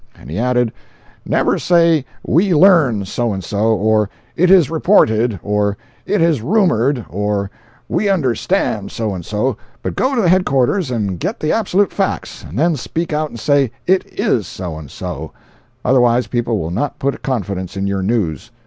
And he added: "Never say 'We learn' so and so, or 'It is reported,' or 'It is rumored,' or 'We understand' so and so, but go to headquarters and get the absolute facts, and then speak out and say 'It is so and so.' Otherwise, people will not put confidence in your news.